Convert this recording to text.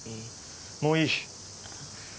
もういい。